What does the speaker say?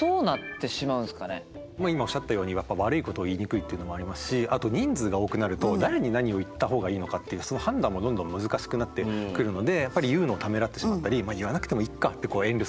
今おっしゃったように悪いことを言いにくいっていうのもありますしあと人数が多くなると誰に何を言った方がいいのかっていうその判断もどんどん難しくなってくるのでやっぱり言うのをためらってしまったり言わなくてもいっかって遠慮する。